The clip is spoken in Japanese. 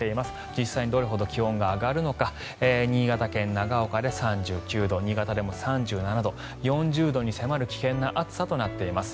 実際にどれほど気温が上がるのか新潟県長岡で３９度新潟でも３７度４０度に迫る危険な暑さとなっています。